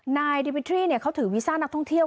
นายดิวิทรี่เขาถือวีซ่านักท่องเที่ยว